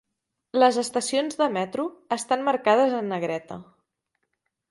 Les estacions de metro estan marcades en negreta.